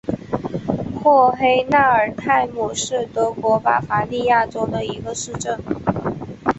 霍黑纳尔泰姆是德国巴伐利亚州的一个市镇。